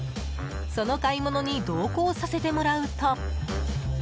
その買い物に同行させてもらうと。